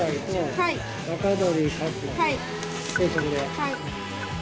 はい。